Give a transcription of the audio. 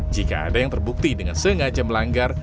jika ada yang terbukti dengan sengaja melanggar